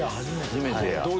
初めてや。